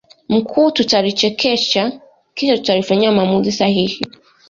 mkuu tutalichekecha kisha tutalifanyia maamuzi sahihi